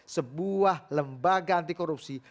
sebuah lembaga antikorupsi